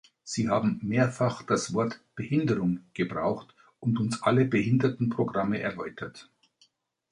Sie haben mehrfach das Wort "Behinderung" gebraucht und uns alle Behindertenprogramme erläutert.